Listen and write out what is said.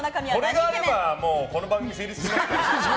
これがあればこの番組、成立しますから。